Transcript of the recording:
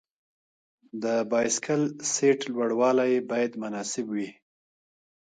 د بایسکل سیټ لوړوالی باید مناسب وي.